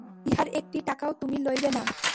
ইহার একটি টাকাও তুমি লইবে না?